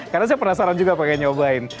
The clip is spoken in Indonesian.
karena saya penasaran juga pengen nyobain